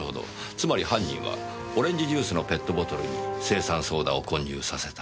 つまり犯人はオレンジジュースのペットボトルに青酸ソーダを混入させた。